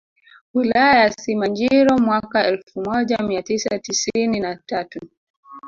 Wilaya ya Simanjiro mwaka elfu moja mia tisa tisini na tatu